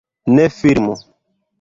Ne filmu